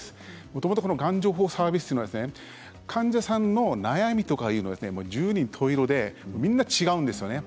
もともと、がん情報サービスは患者さんの悩みとかは十人十色でみんな違うんですよね。